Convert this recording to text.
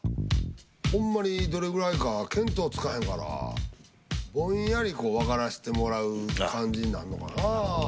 ほんまにどれぐらいか見当つかへんからぼんやりこうわからしてもらう感じになんのかな？